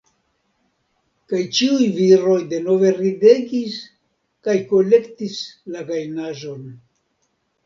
Kaj ĉiuj viroj denove ridegis kaj kolektis la gajnaĵon.